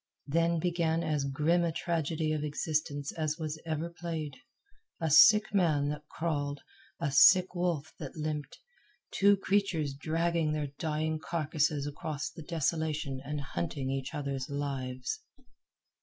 Then began as grim a tragedy of existence as was ever played a sick man that crawled, a sick wolf that limped, two creatures dragging their dying carcasses across the desolation and hunting each other's lives.